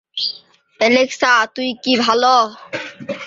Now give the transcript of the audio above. এই ভাষার উপর খুব কম গবেষণা হয়েছে।